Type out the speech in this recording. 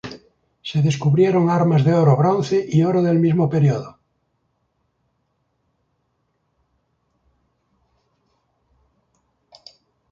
Se descubrieron armas de oro, bronce y oro del mismo periodo.